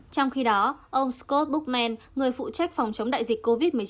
trong khi đó ông scott bokment người phụ trách phòng chống đại dịch covid một mươi chín